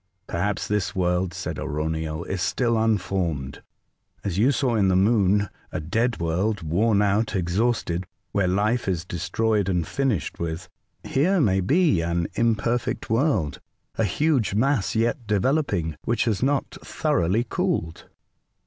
'' Perhaps this world," said Arauniel, '* is still unformed. As you saw in the Moon a dead world, worn out, exhausted, where life is des troyed and finished with, — here may be an imperfect world, a huge mass yet developing^ which has not thoroughly cooled."